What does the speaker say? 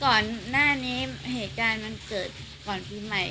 ก่อนหน้านี้เหตุการณ์มันเกิดก่อนปีใหม่